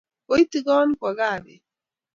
Koitigon kwo kaa bet